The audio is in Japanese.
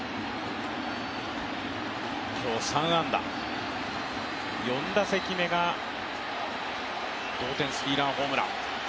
今日３安打、４打席目が同点スリーランホームラン。